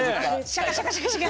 シャカシャカシャカシャカ。